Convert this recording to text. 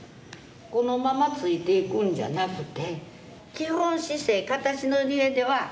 このままついていくんじゃなくて。